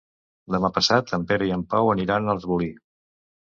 Demà passat en Pere i en Pau aniran a Arbolí.